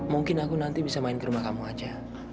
mungkin aku nanti bisa main ke rumah kamu aja